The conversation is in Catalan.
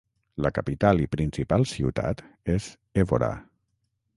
La capital i principal ciutat és Évora.